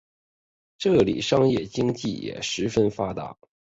这里商业经济也十分发达。